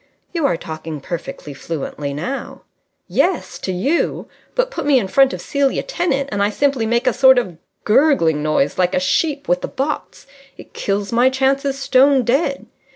"You are talking perfectly fluently now." "Yes, to you. But put me in front of Celia Tennant, and I simply make a sort of gurgling noise like a sheep with the botts. It kills my chances stone dead.